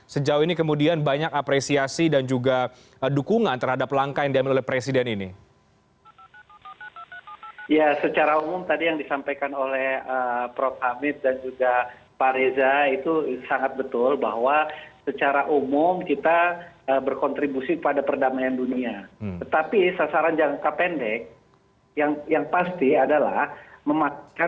seperti india afrika selatan argentina dan di afrika